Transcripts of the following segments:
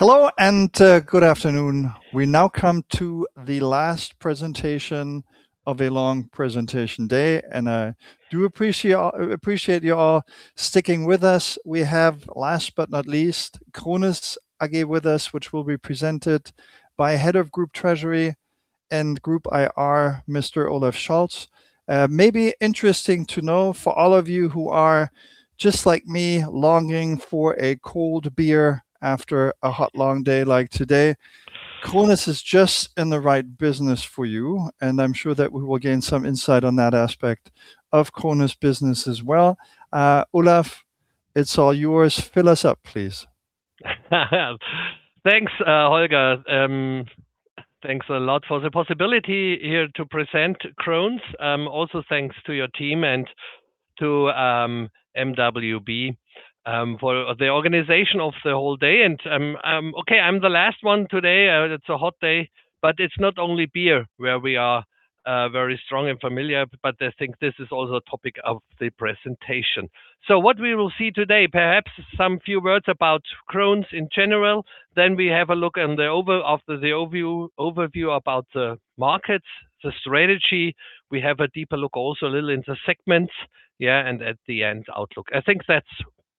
Hello, and good afternoon. We now come to the last presentation of a long presentation day, and I do appreciate you all sticking with us. We have, last but not least, Krones AG with us, which will be presented by Head of Group Treasury and Group IR, Mr. Olaf Scholz. Maybe interesting to know for all of you who are, just like me, longing for a cold beer after a hot, long day like today, Krones is just in the right business for you, and I'm sure that we will gain some insight on that aspect of Krones' business as well. Olaf, it's all yours. Fill us up, please. Thanks, Holger. Thanks a lot for the possibility here to present Krones. Also thanks to your team and to mwb for the organization of the whole day. I'm the last one today. It's a hot day. It's not only beer where we are very strong and familiar, but I think this is also a topic of the presentation. What we will see today, perhaps some few words about Krones in general. We have a look after the overview about the markets, the strategy. We have a deeper look also a little into segments. At the end, outlook. I think that's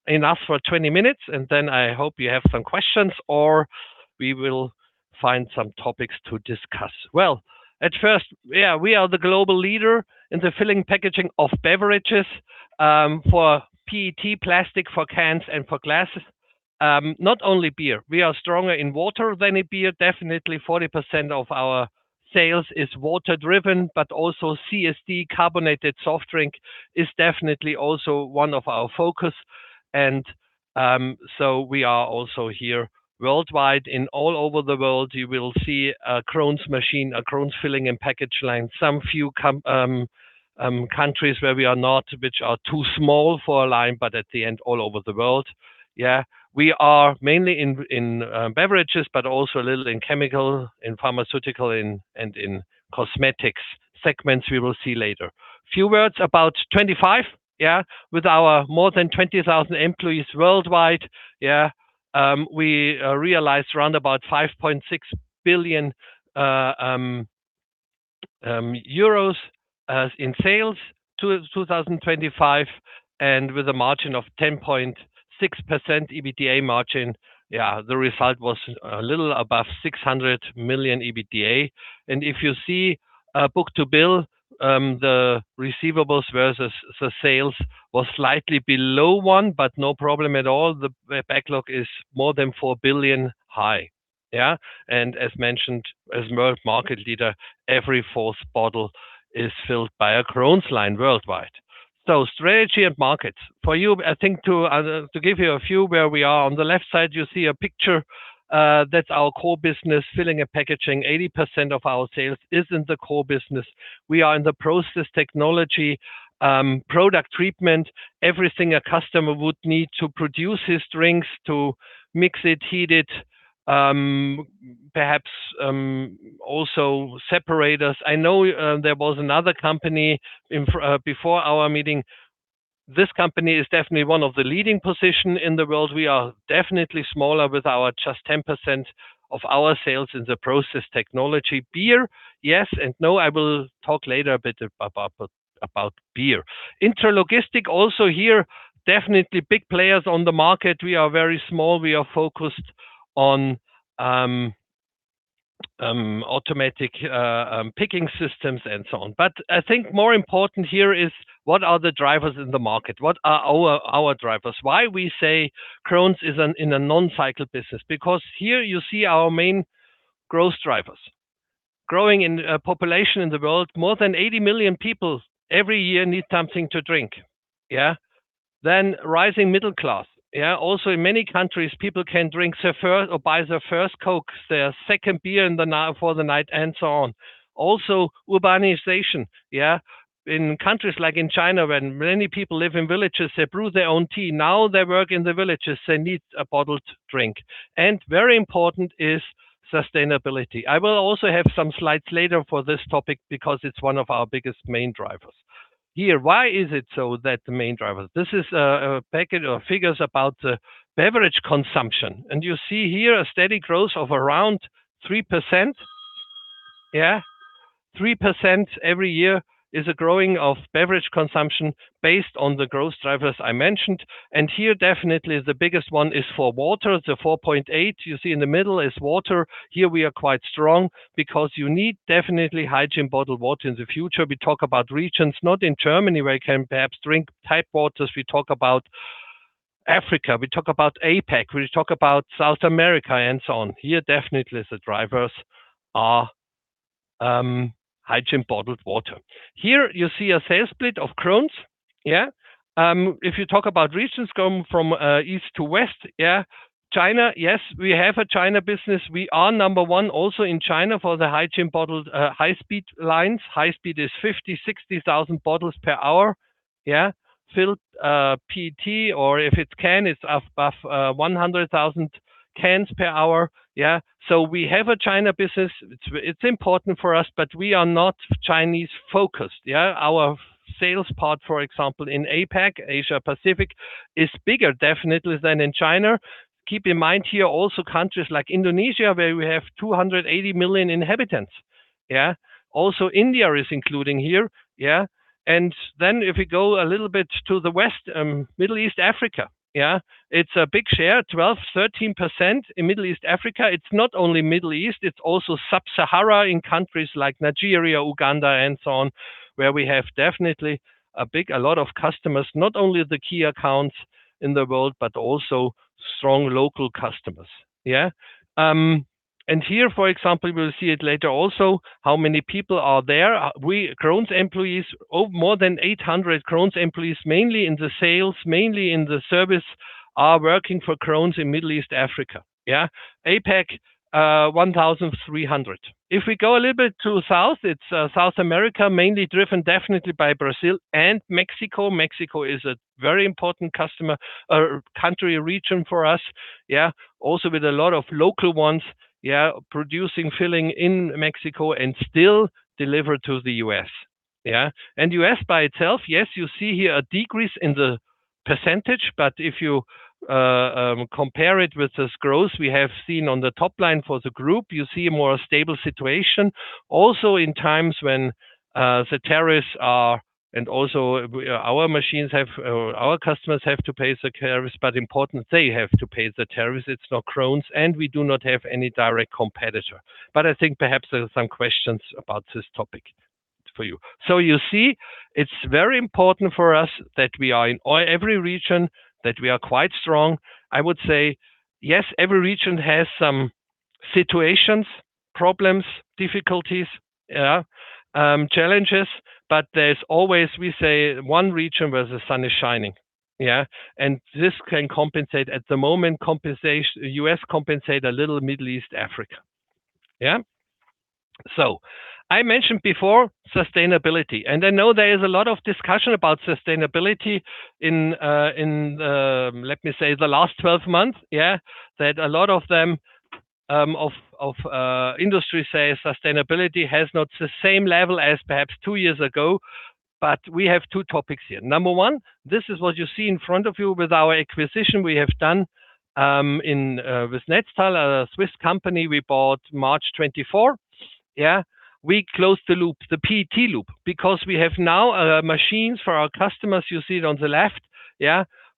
enough for 20 minutes, and then I hope you have some questions, or we will find some topics to discuss. At first, we are the global leader in the filling, packaging of beverages for PET plastic, for cans, and for glass. Not only beer. We are stronger in water than in beer. Definitely 40% of our sales is water driven, but also CSD, carbonated soft drink, is definitely also one of our focus. We are also here worldwide. In all over the world, you will see a Krones machine, a Krones filling and package line. Some few countries where we are not, which are too small for a line, but at the end, all over the world. We are mainly in beverages, but also a little in chemical, in pharmaceutical, and in cosmetics segments we will see later. Few words about 2025. With our more than 20,000 employees worldwide, we realized around about 5.6 billion euros as in sales to 2025, and with a margin of 10.6% EBITDA margin. The result was a little above 600 million EBITDA. If you see book-to-bill, the receivables versus the sales was slightly below one, but no problem at all. The backlog is more than 4 billion high. As mentioned, as world market leader, every fourth bottle is filled by a Krones line worldwide. Strategy and markets. For you, I think to give you a few where we are, on the left side, you see a picture, that's our core business, filling and packaging. 80% of our sales is in the core business. We are in the process technology, product treatment, everything a customer would need to produce his drinks, to mix it, heat it, perhaps, also separators. I know there was another company before our meeting. This company is definitely one of the leading position in the world. We are definitely smaller with our just 10% of our sales in the process technology. Beer, yes and no. I will talk later a bit about beer. Intralogistics also here, definitely big players on the market. We are very small. We are focused on automatic picking systems and so on. I think more important here is what are the drivers in the market? What are our drivers? Why we say Krones is in a non-cycle business? Here you see our main growth drivers. Growing in population in the world, more than 80 million people every year need something to drink. Rising middle class. Also, in many countries, people can drink their first or buy their first Coke, their second beer for the night, and so on. Urbanization. In countries like in China, when many people live in villages, they brew their own tea. They work in the villages, they need a bottled drink. Very important is sustainability. I will also have some slides later for this topic because it's one of our biggest main drivers. Why is it so that the main drivers? This is a package of figures about the beverage consumption. You see here a steady growth of around 3%. 3% every year is a growing of beverage consumption based on the growth drivers I mentioned. Definitely the biggest one is for water. The 4.8 you see in the middle is water. We are quite strong because you need definitely hygiene bottled water in the future. We talk about regions, not in Germany where you can perhaps drink tap waters. We talk about Africa. We talk about APAC. We talk about South America and so on. Definitely the drivers are hygiene bottled water. You see a sales split of Krones. If you talk about regions going from east to west, China, yes, we have a China business. We are number one also in China for the hygiene bottled high speed lines. High speed is 50,000, 60,000 bottles per hour. Filled PET, or if it's can, it's above 100,000 cans per hour. We have a China business. It's important for us, we are not Chinese focused. Our sales part, for example, in APAC, Asia Pacific, is bigger definitely than in China. Keep in mind here also countries like Indonesia, where we have 280 million inhabitants. India is included here. If we go a little bit to the west, Middle East, Africa. It's a big share, 12%, 13% in Middle East, Africa. It's not only Middle East, it's also Sub-Sahara in countries like Nigeria, Uganda, and so on, where we have definitely a lot of customers, not only the key accounts in the world, but also strong local customers. Here, for example, we'll see it later also, how many people are there. Krones employees, more than 800 Krones employees, mainly in the sales, mainly in the service, are working for Krones in Middle East, Africa. APAC, 1,300. If we go a little bit to south, it's South America, mainly driven definitely by Brazil and Mexico. Mexico is a very important country region for us. With a lot of local ones producing, filling in Mexico and still deliver to the U.S. U.S. by itself, yes, you see here a decrease in the percentage, but if you compare it with this growth we have seen on the top line for the group, you see a more stable situation. Also in times when the tariffs are, and also our customers have to pay the tariffs. Important they have to pay the tariffs. It's not Krones, and we do not have any direct competitor. I think perhaps there are some questions about this topic for you. You see, it's very important for us that we are in every region, that we are quite strong. I would say, yes, every region has some situations, problems, difficulties, challenges, but there's always, we say, one region where the sun is shining. This can compensate at the moment, U.S. compensate a little Middle East, Africa. I mentioned before sustainability, and I know there is a lot of discussion about sustainability in, let me say, the last 12 months. That a lot of industry say sustainability has not the same level as perhaps two years ago. We have two topics here. Number 1, this is what you see in front of you with our acquisition we have done with Netstal, a Swiss company we bought March 24. We closed the loop, the PET loop, because we have now machines for our customers, you see it on the left,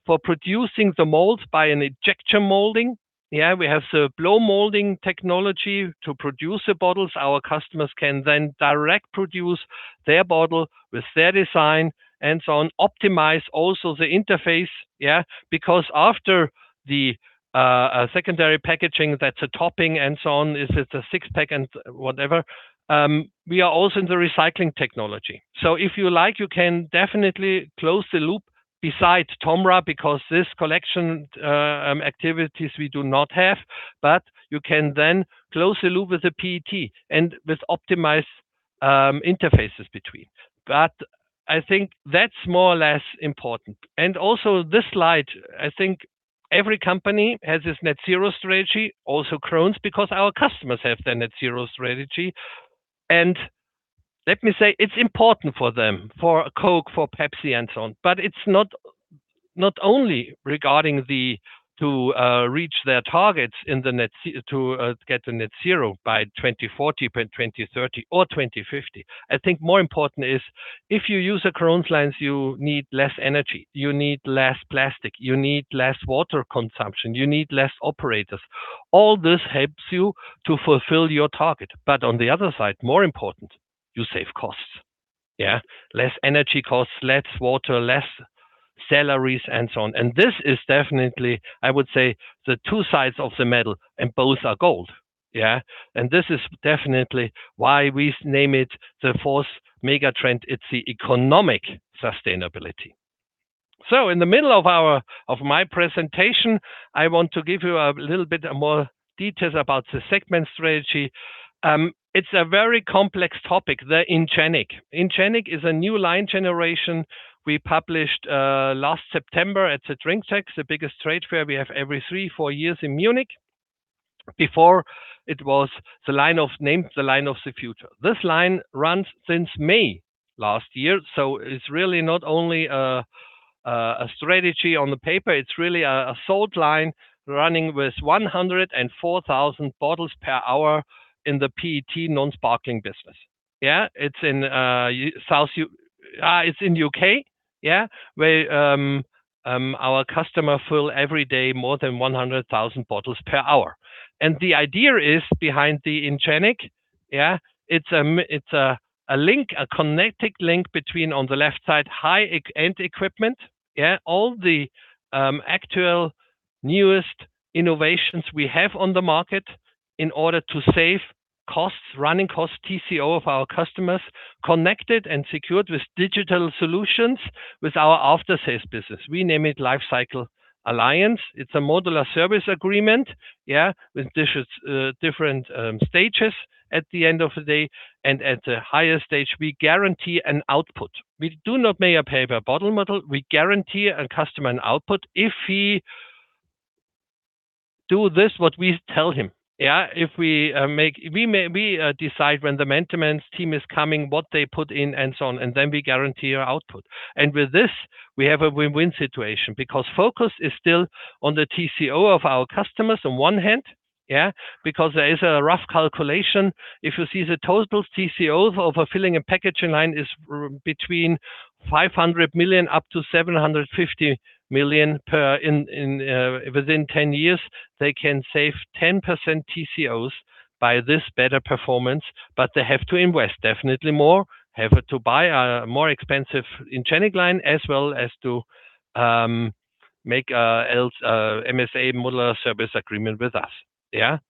for producing the molds by an injection molding. We have the blow-molding technology to produce the bottles. Our customers can then direct produce their bottle with their design and so on, optimize also the interface. After the secondary packaging, that's a topping and so on, is it a six-pack and whatever, we are also in the recycling technology. If you like, you can definitely close the loop besides TOMRA, because this collection activities we do not have, but you can then close the loop with the PET and with optimized interfaces between. I think that's more or less important. Also this slide, I think every company has its net zero strategy, also Krones, because our customers have their net zero strategy. Let me say, it's important for them, for Coke, for Pepsi and so on, but it's not only regarding to reach their targets to get the net zero by 2040, by 2030 or 2050. I think more important is if you use the Krones lines, you need less energy, you need less plastic, you need less water consumption, you need less operators. All this helps you to fulfill your target. On the other side, more important, you save costs. Less energy costs, less water, less salaries, and so on. This is definitely, I would say, the two sides of the medal, and both are gold. This is definitely why we name it the fourth mega trend. It's the economic sustainability. In the middle of my presentation, I want to give you a little bit more details about the segment strategy. It's a very complex topic, the Ingeniq. Ingeniq is a new line generation we published last September at the drinktec, the biggest trade fair we have every three, four years in Munich. Before, it was named the line of the future. This line runs since May last year. It's really not only a strategy on the paper, it's really a sold line running with 104,000 bottles per hour in the PET non-sparkling business. It's in U.K., where our customer fill every day more than 100,000 bottles per hour. The idea is behind the Ingeniq, it's a connected link between, on the left side, high-end equipment. All the actual newest innovations we have on the market in order to save costs, running costs, TCO of our customers, connected and secured with digital solutions with our after-sales business. We name it Lifecycle Alliance. It's a Modular Service Agreement with different stages at the end of the day, and at the highest stage, we guarantee an output. We do not make a pay-per-bottle model. We guarantee a customer an output if he do this what we tell him. We decide when the maintenance team is coming, what they put in, and so on. We have a win-win situation because focus is still on the TCO of our customers on one hand. There is a rough calculation. If you see the total TCOs of a filling and packaging line is between 500 million up to 750 million within 10 years. They can save 10% TCOs by this better performance. They have to invest definitely more, have to buy a more expensive engineering line, as well as to make a MSA, Modular Service Agreement with us.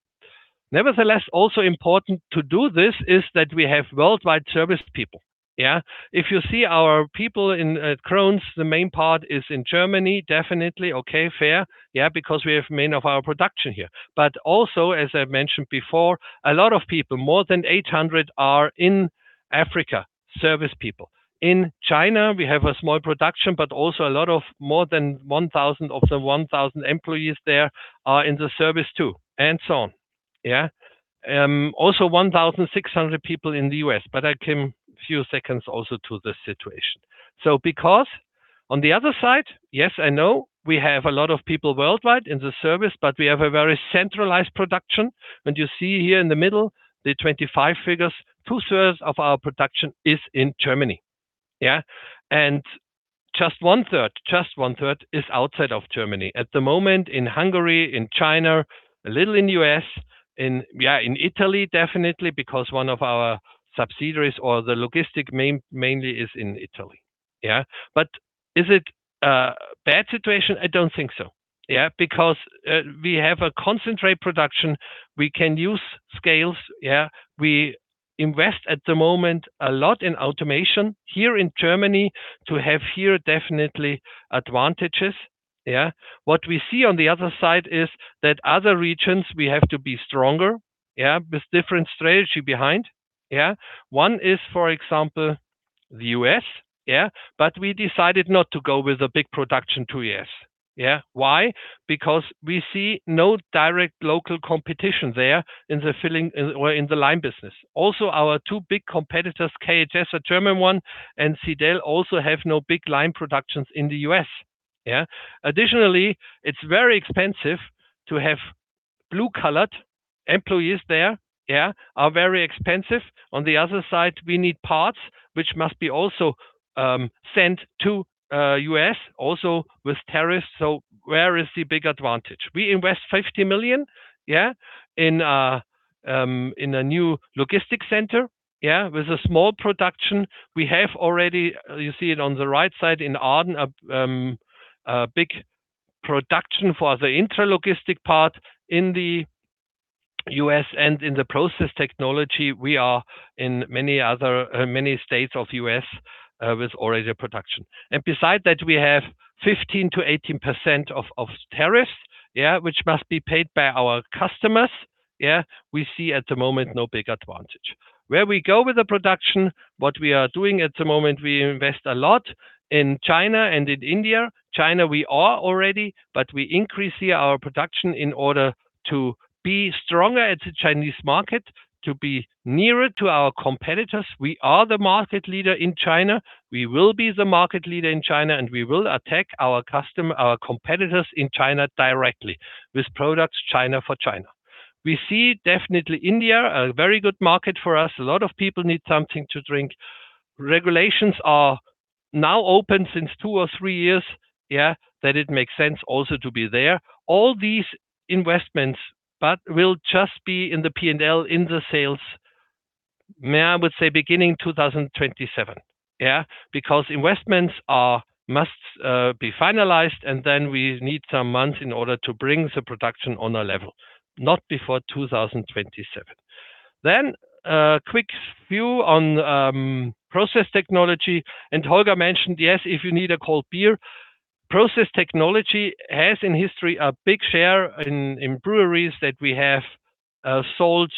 Nevertheless, also important to do this is that we have worldwide service people. If you see our people in Krones, the main part is in Germany, definitely. Okay, fair. We have many of our production here. Also, as I mentioned before, a lot of people, more than 800, are in Africa, service people. In China, we have a small production, but also a lot of more than 1,000 of the employees there are in the service too, and so on. Also 1,600 people in the U.S., but I come few seconds also to this situation. Because on the other side, yes, I know we have a lot of people worldwide in the service, but we have a very centralized production. When you see here in the middle, the 25 figures, two-thirds of our production is in Germany. Just one-third is outside of Germany. At the moment, in Hungary, in China, a little in U.S., in Italy definitely because one of our subsidiaries or the logistic mainly is in Italy. Is it a bad situation? I don't think so. We have a concentrate production. We can use scales. We invest at the moment a lot in automation here in Germany to have here definitely advantages. What we see on the other side is that other regions, we have to be stronger, with different strategy behind. One is, for example, the U.S. We decided not to go with a big production to U.S. Why? We see no direct local competition there in the filling or in the line business. Also, our two big competitors, KHS, a German one, and Sidel, also have no big line productions in the U.S. Additionally, it's very expensive to have blue-collared employees there, are very expensive. On the other side, we need parts which must be also sent to U.S. also with tariffs. Where is the big advantage? We invest 50 million in a new logistics center with a small production. We have already, you see it on the right side in Arden, NC, a big production for the Intralogistics part in the U.S. and in the process technology, we are in many states of the U.S. with already a production. Beside that, we have 15%-18% of tariffs which must be paid by our customers. We see at the moment no big advantage. Where we go with the production, what we are doing at the moment, we invest a lot in China and in India. China, we are already, but we increase here our production in order to be stronger at the Chinese market, to be nearer to our competitors. We are the market leader in China. We will be the market leader in China, and we will attack our competitors in China directly with products China for China. We see definitely India, a very good market for us. A lot of people need something to drink. Regulations are now open since two or three years. That it makes sense also to be there. All these investments, but will just be in the P&L, in the sales, may I would say beginning 2027. Because investments must be finalized, and then we need some months in order to bring the production on a level, not before 2027. Quick view on process technology, and Holger mentioned, yes, if you need a cold beer, process technology has in history a big share in breweries that we have sold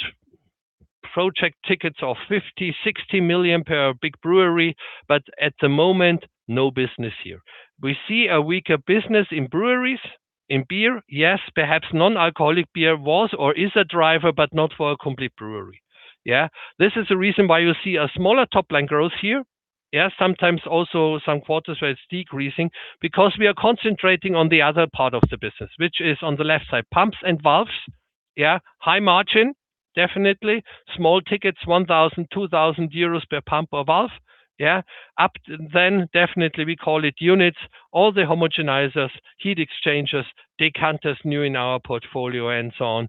project tickets of 50 million-60 million per big brewery, but at the moment, no business here. We see a weaker business in breweries, in beer. Yes, perhaps non-alcoholic beer was or is a driver, but not for a complete brewery. This is the reason why you see a smaller top-line growth here. Sometimes also some quarters where it's decreasing because we are concentrating on the other part of the business, which is on the left side, pumps and valves. High margin, definitely. Small tickets, 1,000, 2,000 euros per pump or valve. Up then, definitely we call it units. All the homogenizers, heat exchangers, decanters, new in our portfolio, and so on.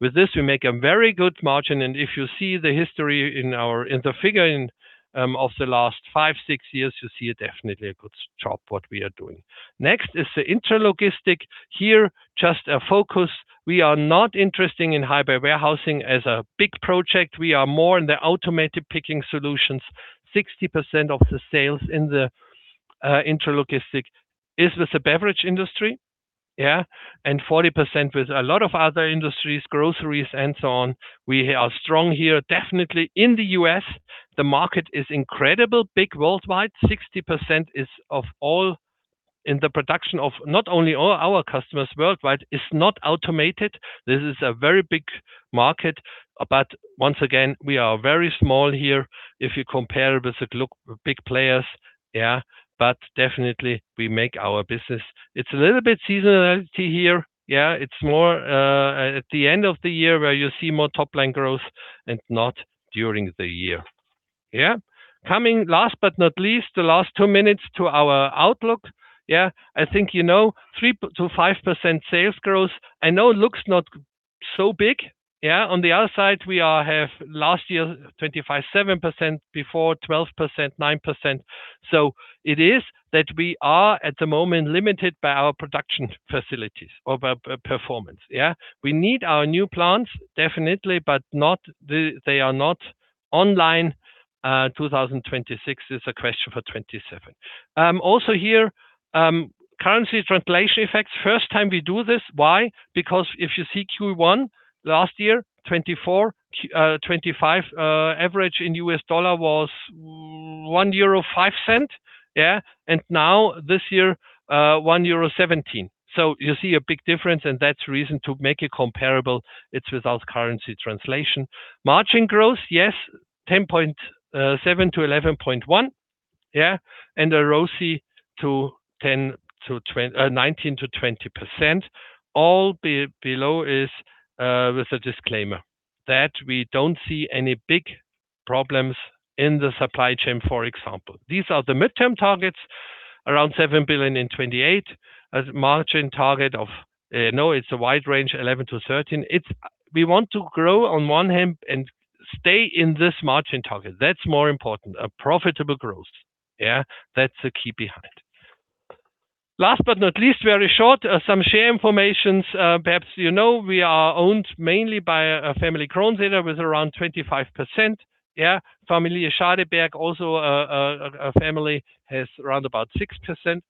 With this, we make a very good margin, and if you see the history in the figuring of the last five, six years, you see a definitely a good job what we are doing. Next is the Intralogistics. Here, just a focus. We are not interested in high-bay warehousing as a big project. We are more in the automated picking solutions. 60% of the sales in the intralogistic is with the beverage industry. 40% with a lot of other industries, groceries, and so on. We are strong here definitely in the U.S. The market is incredible big worldwide. 60% is of all in the production of not only all our customers worldwide, is not automated. This is a very big market. Once again, we are very small here if you compare with the big players. Yeah. Definitely we make our business. It's a little bit seasonality here. Yeah. It's more at the end of the year where you see more top-line growth and not during the year. Yeah. Coming last but not least, the last two minutes to our outlook. Yeah. I think you know 3%-5% sales growth, I know looks not so big. Yeah. On the other side, we have last year 2025 7%, before 12%, 9%. It is that we are at the moment limited by our production facilities or by performance. We need our new plants definitely, but they are not online. 2026 is a question for 2027. Also here, currency translation effects, first time we do this. Why? Because if you see Q1 last year 2025, average in US dollar was 1.05 euro. And now this year, 1.17 euro. You see a big difference and that's the reason to make it comparable. It's without currency translation. Margin growth. Yes, 10.7%-11.1%. And the ROCE to 19%-20%. All below is with a disclaimer that we don't see any big problems in the supply chain, for example. These are the midterm targets around 7 billion in 2028. A margin target of, no, it's a wide range, 11%-13%. We want to grow on one hand and stay in this margin target. That's more important, a profitable growth. That's the key behind. Last but not least, very short, some share informations. Perhaps you know we are owned mainly by Kronseder Family with around 25%. Schadeberg Family also a family, has around about 6%.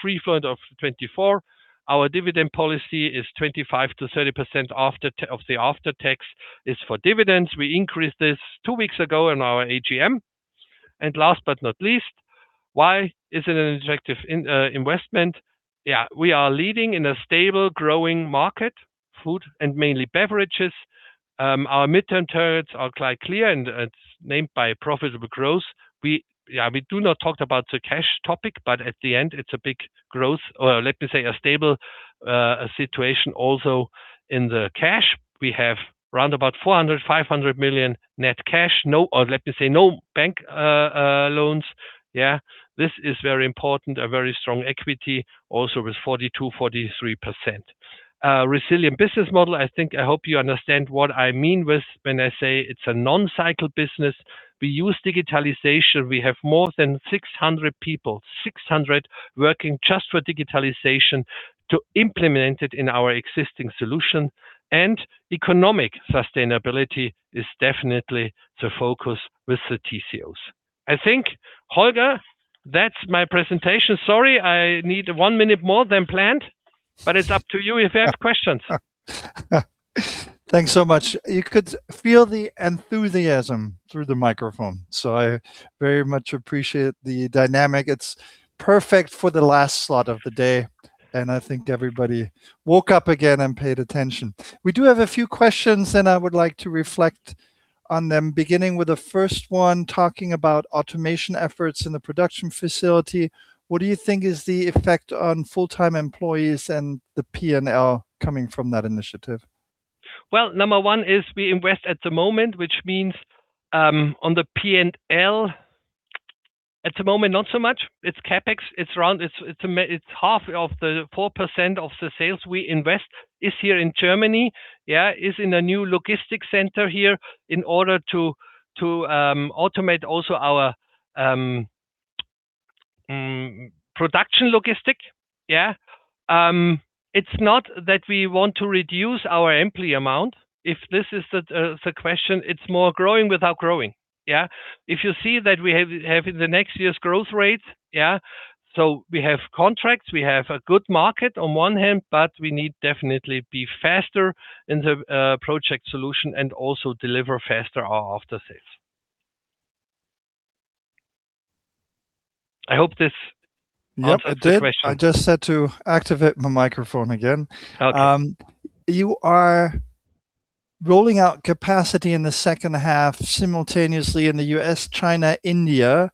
Free float of 24%. Our dividend policy is 25%-30% of the after-tax is for dividends. We increased this two weeks ago in our AGM. Last but not least, why is it an attractive investment? We are leading in a stable growing market, food and mainly beverages. Our midterm targets are quite clear and named by profitable growth. We do not talk about the cash topic, but at the end it's a big growth, or let me say a stable situation also in the cash. We have around about 400 million-500 million net cash. Or let me say, no bank loans. This is very important. A very strong equity also with 42%-43%. Resilient business model, I think, I hope you understand what I mean when I say it's a non-cycle business. We use digitalization. We have more than 600 people. 600 working just for digitalization to implement it in our existing solution, and economic sustainability is definitely the focus with the TCOs. I think, Holger, that's my presentation. Sorry, I need one minute more than planned, but it's up to you if there are questions. Thanks so much. You could feel the enthusiasm through the microphone, so I very much appreciate the dynamic. It's perfect for the last slot of the day, and I think everybody woke up again and paid attention. We do have a few questions, and I would like to reflect on them, beginning with the first one, talking about automation efforts in the production facility. What do you think is the effect on full-time employees and the P&L coming from that initiative? Well, number one is we invest at the moment, which means, on the P&L at the moment, not so much. It's CapEx. It's half of the 4% of the sales we invest is here in Germany. Yeah. Is in a new logistic center here in order to automate also our production logistic. Yeah. It's not that we want to reduce our employee amount, if this is the question. It's more growing without growing. Yeah. If you see that we have in the next year's growth rates, yeah, we have contracts, we have a good market on one hand, we need definitely be faster in the project solution and also deliver faster our after-sales. I hope this answers the question. Yep, it did. I just had to activate my microphone again. Okay. You are rolling out capacity in the second half simultaneously in the U.S., China, India.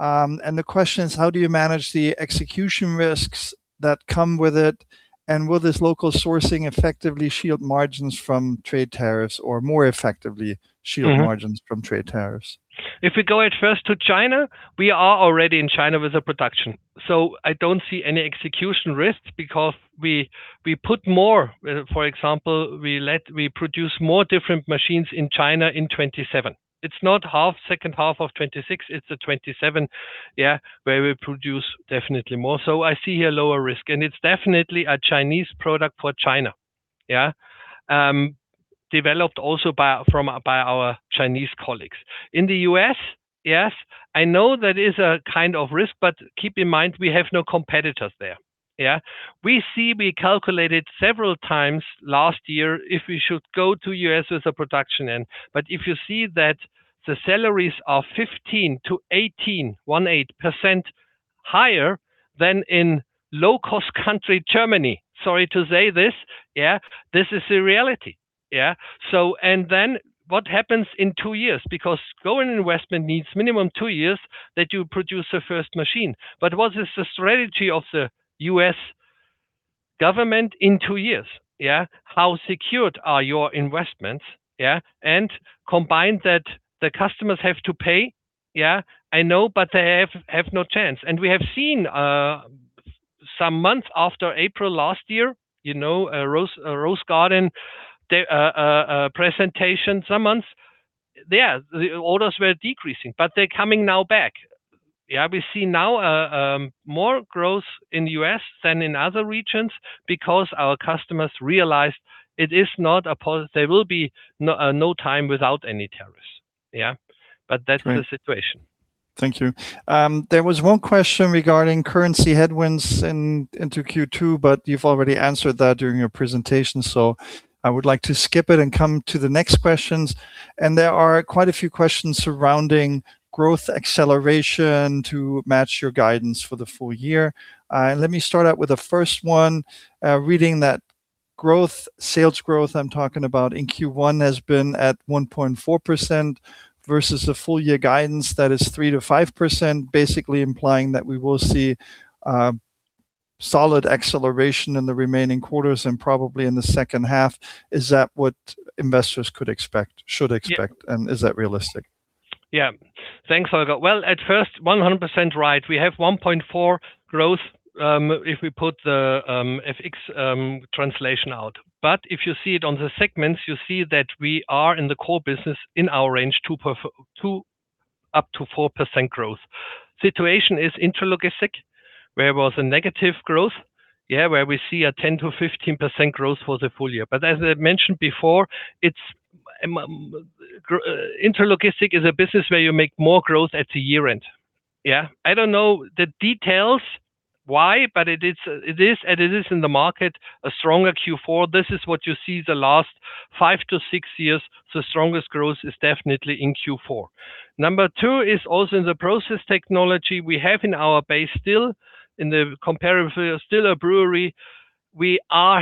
The question is, how do you manage the execution risks that come with it, and will this local sourcing effectively shield margins from trade tariffs or more effectively shield margins from trade tariffs? If we go at first to China, we are already in China with the production. I don't see any execution risks because we put more. For example, we produce more different machines in China in 2027. It's not second half of 2026. It's the 2027, yeah, where we produce definitely more. I see here lower risk, it's definitely a Chinese product for China, yeah, developed also by our Chinese colleagues. In the U.S., yes, I know that is a kind of risk, keep in mind, we have no competitors there. Yeah. We see we calculated several times last year if we should go to U.S. as a production end, if you see that the salaries are 15%-18% higher than in low-cost country, Germany. Sorry to say this. Yeah. This is the reality. Yeah. What happens in two years? Growing investment needs minimum two years that you produce a first machine. What is the strategy of the U.S. government in two years? How secured are your investments? Combined that the customers have to pay. I know, but they have no chance. We have seen some month after April last year, Rose Garden presentation some months. The orders were decreasing, but they are coming now back. We see now more growth in the U.S. than in other regions because our customers realized there will be no time without any tariffs. That is the situation. Thank you. There was one question regarding currency headwinds into Q2, but you have already answered that during your presentation, so I would like to skip it and come to the next questions. There are quite a few questions surrounding growth acceleration to match your guidance for the full year. Let me start out with the first one. Reading that growth, sales growth, I am talking about in Q1, has been at 1.4% versus the full year guidance that is 3%-5%, basically implying that we will see solid acceleration in the remaining quarters and probably in the second half. Is that what investors could expect, should expect. Is that realistic? Thanks, Holger. At first, 100% right. We have 1.4 growth if we put the FX translation out. If you see it on the segments, you see that we are in the core business in our range, 2%-4% growth. Situation is Intralogistics, where was a negative growth. Where we see a 10%-15% growth for the full year. As I mentioned before, Intralogistics is a business where you make more growth at the year-end. I do not know the details why, but it is in the market a stronger Q4. This is what you see the last five to six years. The strongest growth is definitely in Q4. Number two is also in the process technology we have in our base still in the comparably, still a brewery. We are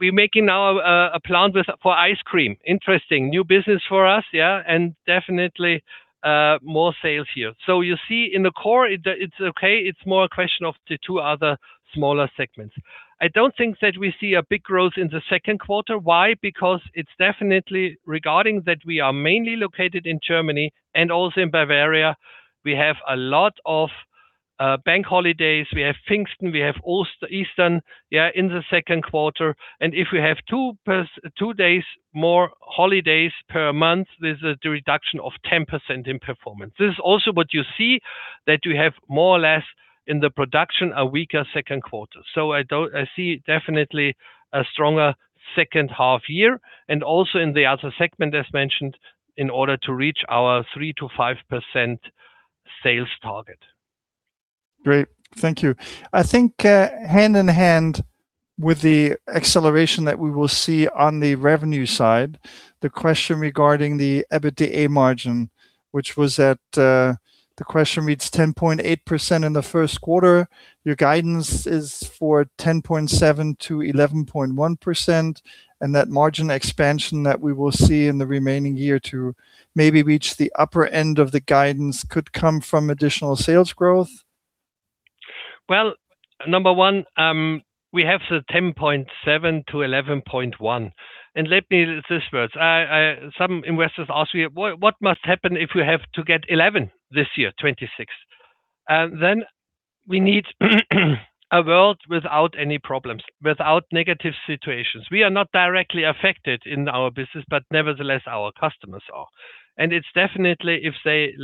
making now a plant for ice cream. Interesting. New business for us, definitely more sales here. You see in the core, it's okay. It's more a question of the two other smaller segments. I don't think that we see a big growth in the second quarter. Why? Because it's definitely regarding that we are mainly located in Germany and also in Bavaria. We have a lot of bank holidays. We have Pfingsten, we have Easter in the second quarter. If we have two days more holidays per month, this is the reduction of 10% in performance. This is also what you see that you have more or less in the production a weaker second quarter. I see definitely a stronger second half year and also in the other segment, as mentioned, in order to reach our 3%-5% sales target. Great. Thank you. I think hand in hand with the acceleration that we will see on the revenue side, the question regarding the EBITDA margin, which was that the question reads 10.8% in the first quarter. Your guidance is for 10.7%-11.1%, that margin expansion that we will see in the remaining year to maybe reach the upper end of the guidance could come from additional sales growth. Number one, we have the 10.7%-11.1%. Let me this first. Some investors ask me, "What must happen if we have to get 11 this year, 2026?" We need a world without any problems, without negative situations. We are not directly affected in our business, nevertheless our customers are. It's definitely if they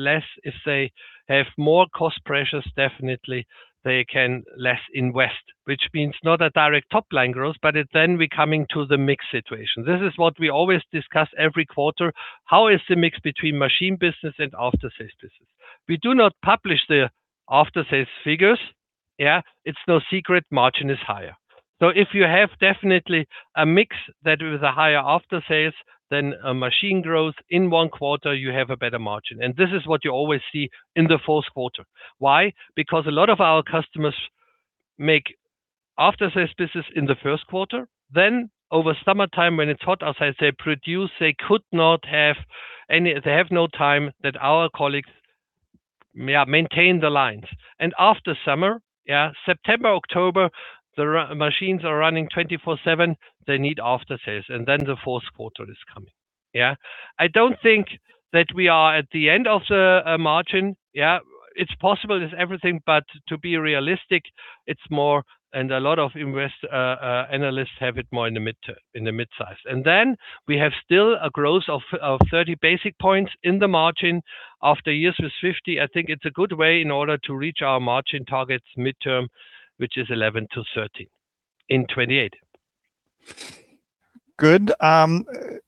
have more cost pressures, definitely they can less invest, which means not a direct top line growth, but it then we coming to the mix situation. This is what we always discuss every quarter. How is the mix between machine business and after sales business? We do not publish the after sales figures. It's no secret margin is higher. If you have definitely a mix that with a higher after sales than a machine growth in one quarter, you have a better margin. This is what you always see in the fourth quarter. Why? Because a lot of our customers make after sales business in the first quarter. Over summertime, when it's hot outside, they produce, they have no time that our colleagues maintain the lines. After summer, September, October, the machines are running 24/7. They need after sales, then the fourth quarter is coming. I don't think that we are at the end of the margin. It's possible, it's everything, to be realistic, a lot of analysts have it more in the mid-size. Then we have still a growth of 30 basis points in the margin. After years with 50 basis points, I think it's a good way in order to reach our margin targets midterm, which is 11%-13% in 2028. Good.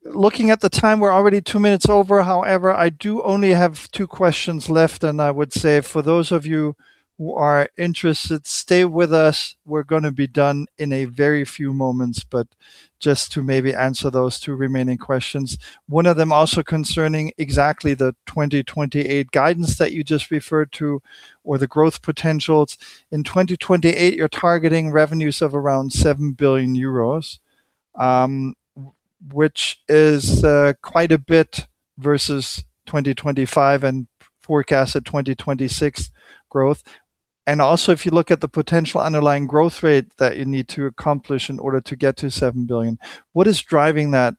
Looking at the time, we're already two minutes over. I do only have two questions left. I would say for those of you who are interested, stay with us. We're going to be done in a very few moments. Just to maybe answer those two remaining questions. One of them also concerning exactly the 2028 guidance that you just referred to or the growth potentials. In 2028, you're targeting revenues of around 7 billion euros, which is quite a bit versus 2025 and forecast at 2026 growth. If you look at the potential underlying growth rate that you need to accomplish in order to get to 7 billion, what is driving that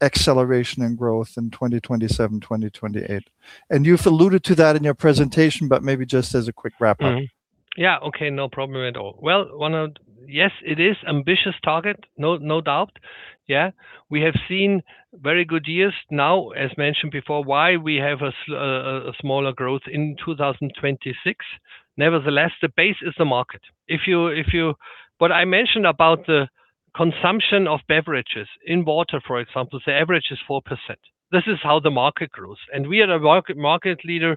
acceleration and growth in 2027, 2028? You've alluded to that in your presentation, but maybe just as a quick wrap-up. Yeah. Okay, no problem at all. Well, yes, it is ambitious target, no doubt. Yeah. We have seen very good years now, as mentioned before, why we have a smaller growth in 2026. Nevertheless, the base is the market. What I mentioned about the consumption of beverages in water, for example, the average is 4%. This is how the market grows. We are a market leader,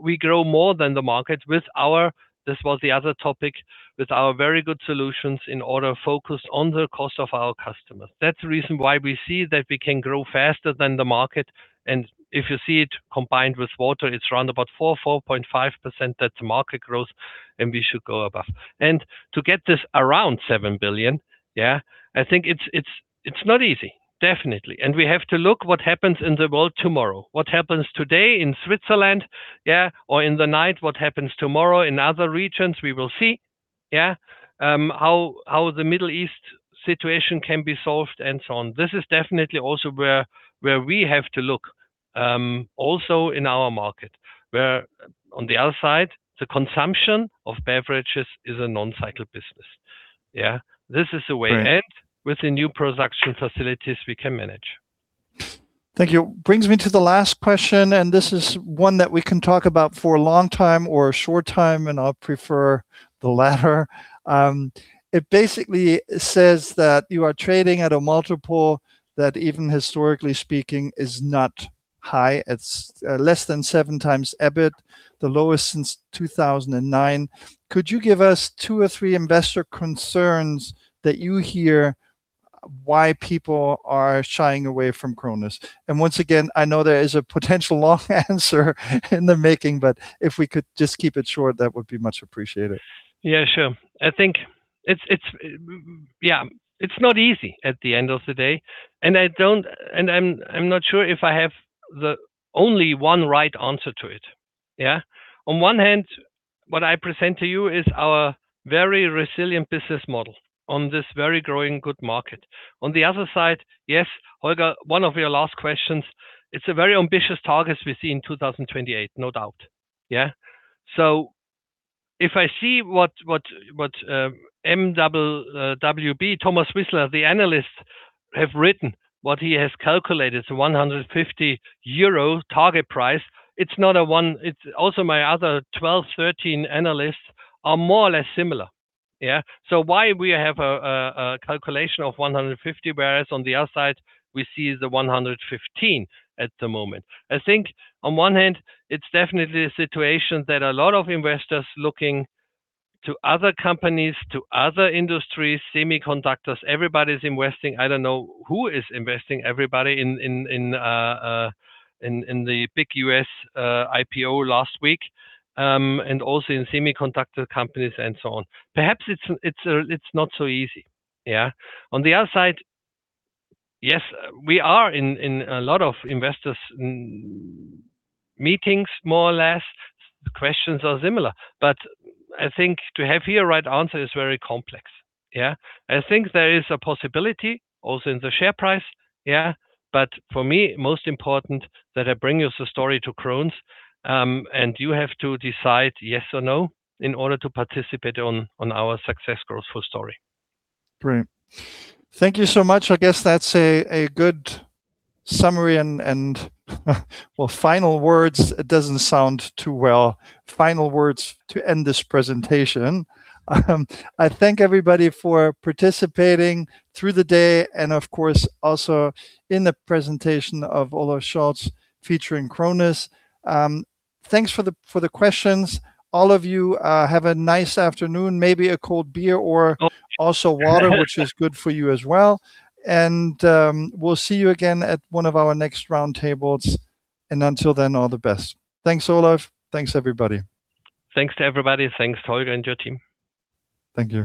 we grow more than the market with our very good solutions in order focused on the cost of our customers. That's the reason why we see that we can grow faster than the market. If you see it combined with water, it's around about 4%, 4.5%. That's market growth. We should go above. To get this around 7 billion, I think it's not easy, definitely. We have to look what happens in the world tomorrow. What happens today in Switzerland or in the night, what happens tomorrow in other regions, we will see how the Middle East situation can be solved and so on. This is definitely also where we have to look, also in our market, where on the other side, the consumption of beverages is a non-cycle business. This is the way with the new production facilities, we can manage. Thank you. That brings me to the last question, and this is one that we can talk about for a long time or a short time, and I'll prefer the latter. It basically says that you are trading at a multiple that even historically speaking, is not high. It's less than 7x EBIT, the lowest since 2009. Could you give us two or three investor concerns that you hear why people are shying away from Krones? Once again, I know there is a potential long answer in the making, but if we could just keep it short, that would be much appreciated. Sure. I think it's not easy at the end of the day, and I'm not sure if I have the only one right answer to it. On one hand, what I present to you is our very resilient business model on this very growing good market. On the other side, yes, Holger, one of your last questions, it's a very ambitious target we see in 2028, no doubt. If I see what mwb, Thomas Wissler, the analyst, have written, what he has calculated, the 150 euro target price, also my other 12, 13 analysts are more or less similar. Why we have a calculation of 150, whereas on the other side, we see 115 at the moment. I think on one hand, it's definitely a situation that a lot of investors looking to other companies, to other industries, semiconductors, everybody's investing. I don't know who is investing, everybody in the big U.S. IPO last week, and also in semiconductor companies and so on. Perhaps it's not so easy. On the other side, yes, we are in a lot of investors meetings, more or less, the questions are similar, but I think to have here right answer is very complex. I think there is a possibility also in the share price, but for me, most important that I bring you the story to Krones, and you have to decide yes or no in order to participate on our success growth full story. Great. Thank you so much. I guess that's a good summary and, well, final words, it doesn't sound too well, final words to end this presentation. I thank everybody for participating through the day and of course, also in the presentation of Olaf Scholz featuring Krones. Thanks for the questions, all of you. Have a nice afternoon, maybe a cold beer or also water, which is good for you as well. We'll see you again at one of our next round tables, and until then, all the best. Thanks, Olaf. Thanks everybody. Thanks to everybody. Thanks Holger and your team. Thank you.